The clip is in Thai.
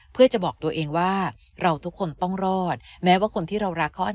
เพื่อจะบอกตัวเองว่าเราทุกคนต้องรอดแม้ว่าคนที่เรารักเขาอาจจะ